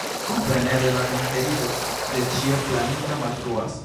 Kompreneble la konkretigo de ĉio planita malfruas.